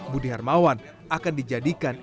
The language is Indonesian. budi hermawan akan dijadikan